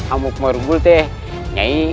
amuk margul teh nyai